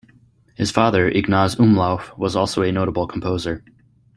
His father, Ignaz Umlauf, was also a notable composer.